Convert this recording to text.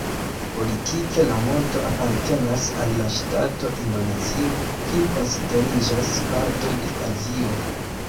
Politike la monto apartenas al la ŝtato Indonezio, kiu konsideriĝas parto de Azio.